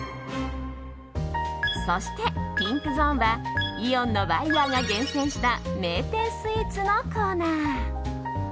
そしてピンクゾーンはイオンのバイヤーが厳選した銘店スイーツのコーナー。